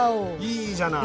いいじゃない。